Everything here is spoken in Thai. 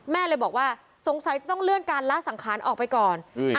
แม่เลยบอกว่าสงสัยจะต้องเลื่อนการละสังขารออกไปก่อน